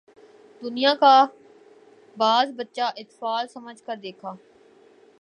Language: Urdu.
دنیا کو بازیچہ اطفال سمجھ کر دیکھا